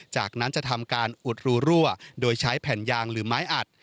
จากนั้นจะทำการอุดรูรั่วโดยใช้แผ่นยางหรือไม้อัด